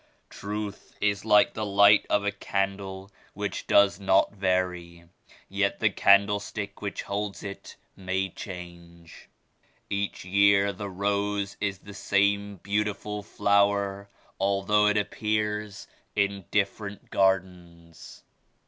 Truth is like the light of a I candle which does not vary yet the candlestick which holds it may change. Each year the rose is the same beautiful flower although it appears in different gardens."